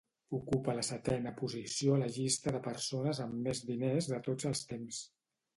Ocupa la setena posició a la llista de persones amb més diners de tots els temps.